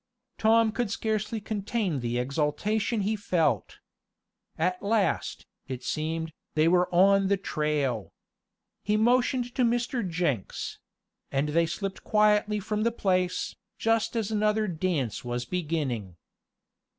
Tom could scarcely contain the exultation he felt. At last, it seemed, they were on the trail. He motioned to Mr. Jenks, and they slipped quietly from the place, just as another dance was beginning.